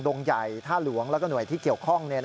งใหญ่ท่าหลวงแล้วก็หน่วยที่เกี่ยวข้อง